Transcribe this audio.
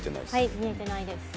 見えてないです。